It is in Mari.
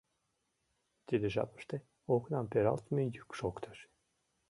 Тиде жапыште окнам пералтыме йӱк шоктыш.